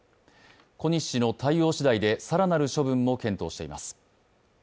小西氏の対応しだいで更なる処分も検討しています。